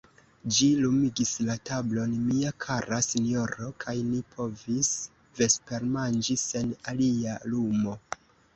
Ĝi lumigis la tablon, mia kara sinjoro, kaj ni povis vespermanĝi sen alia lumo.